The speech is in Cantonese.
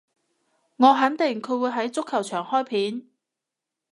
我肯定佢會喺足球場開片